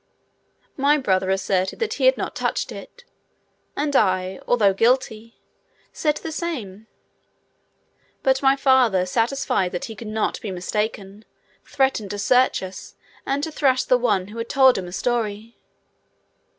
My brother asserted that he had not touched it, and I, although guilty, said the same; but my father, satisfied that he could not be mistaken, threatened to search us and to thrash the one who had told him a story.